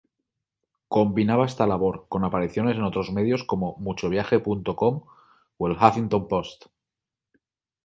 Combinaba esta labor con apariciones en otros medios como Muchoviaje.com o el "Huffington Post".